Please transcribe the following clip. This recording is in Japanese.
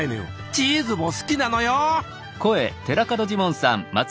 チーズも好きなのよ。